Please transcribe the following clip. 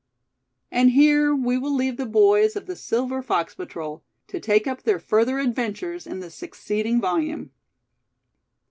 And here we will leave the boys of the Silver Fox Patrol, to take up their further adventures in the succeeding volume.